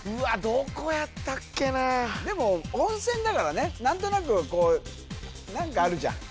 どこやったっけなでも温泉だからね何となくこう何かあるじゃん